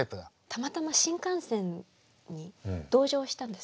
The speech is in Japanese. たまたま新幹線に同乗したんです。